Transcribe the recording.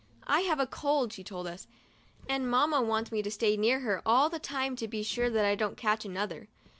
"I've a cold," she told us, "and Mamma wants me to stay near her all the time to be sure that I don't catch another."